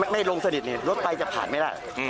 ไม่ลงสนิทเลยรถไปจะผ่านไม่ได้